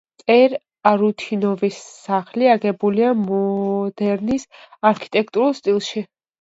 ტერ-არუთინოვის სახლი აგებულია მოდერნის არქიტექტურულ სტილში.